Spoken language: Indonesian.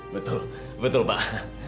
betul betul pak